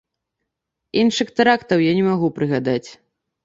Іншых тэрактаў я не магу прыгадаць.